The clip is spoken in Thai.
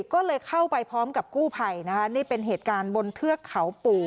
ก็เลยเข้าไปพร้อมกับกู้ภัยนะคะนี่เป็นเหตุการณ์บนเทือกเขาปู่